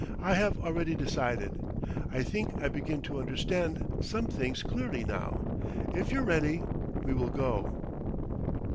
"I have already decided. I think I begin to understand some things clearly, now.... If you're ready, we will go."